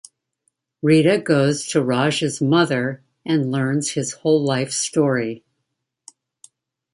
Rita goes to Raj's mother and learns his whole life story.